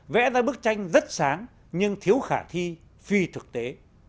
vẽ ra bức tranh rất sáng nhưng thiếu khả thi phi thực tế